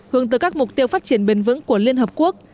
hướng tới các mục tiêu phát triển bền vững của liên hợp quốc